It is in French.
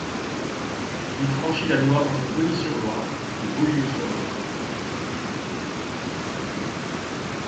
Il franchit la Loire entre Bonny-sur-Loire et Beaulieu-sur-Loire.